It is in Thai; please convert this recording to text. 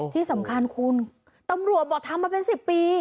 ที่สำคัญคุณตำรวจบอกทำมาเป็น๑๐ปี